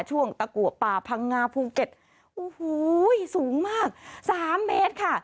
ตะกัวป่าพังงาภูเก็ตโอ้โหสูงมากสามเมตรค่ะ